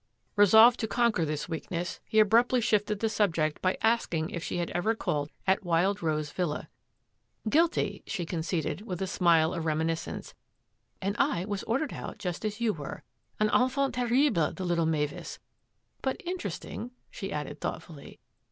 Resolved to con quer this weakness, he abruptly shifted the sub ject by asking if she had ever called at Wild Rose ViUa. " Guilty," she conceded, with a smile of reminis cence, " and I was ordered out just as you were. An enfant terrible, the little Mavis, but interest ing," she added thoughtfully.